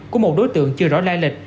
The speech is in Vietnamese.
của một đối tượng chưa rõ lai lịch